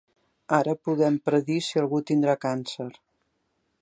Ara podem predir si algú tindrà càncer.